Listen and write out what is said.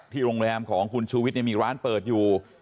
โรงแรมของคุณชูวิทย์มีร้านเปิดอยู่